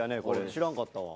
知らんかったわ。